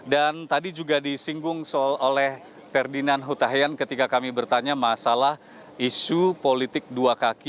dan tadi juga disinggung oleh ferdinand hutahian ketika kami bertanya masalah isu politik dua kaki